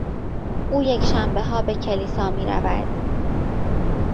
او یکشنبهها به کلیسا میرود.